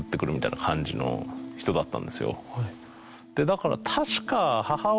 だから確か。